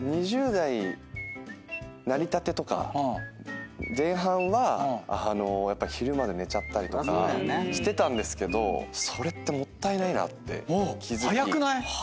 ２０代なりたてとか前半はあの昼まで寝ちゃったりとかしてたんですけどそれってもったいないなって気付き。